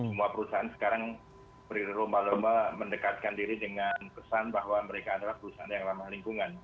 semua perusahaan sekarang berlomba lomba mendekatkan diri dengan kesan bahwa mereka adalah perusahaan yang ramah lingkungan